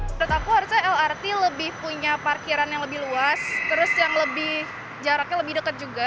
menurut aku harusnya lrt lebih punya parkiran yang lebih luas terus yang lebih jaraknya lebih dekat juga